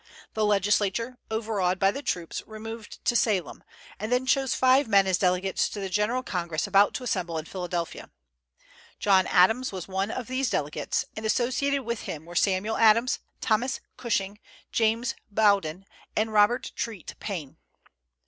The legislature, overawed by the troops, removed to Salem, and then chose five men as delegates to the General Congress about to assemble in Philadelphia. John Adams was one of these delegates, and associated with him were Samuel Adams, Thomas Cushing, James Bowdoin, and Robert Treat Paine.